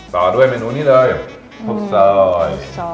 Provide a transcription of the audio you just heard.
ต่อด้วยเวนูนี้เลยข้าวซอย